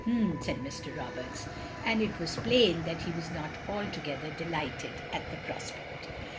" H'm" said Mr. Roberts, and it was plain that he was not altogether delighted at the prospect.